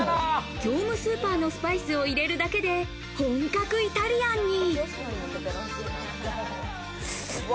業務スーパーのスパイスを入れるだけで本格イタリアンに。